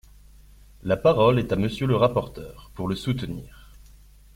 La parole est à Monsieur le rapporteur, pour le soutenir.